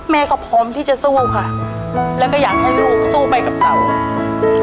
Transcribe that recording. แม่ก็พร้อมที่จะสู้ค่ะแล้วก็อยากให้ลูกสู้ไปกับเขา